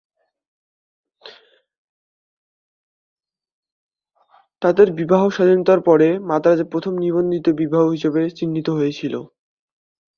তাদের বিবাহ স্বাধীনতার পরে মাদ্রাজে প্রথম নিবন্ধিত বিবাহ হিসাবে চিহ্নিত হয়েছিল।